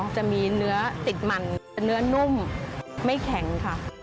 จะมีเนื้อติดมันแต่เนื้อนุ่มไม่แข็งค่ะ